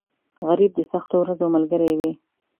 غریب د سختو ورځو ملګری وي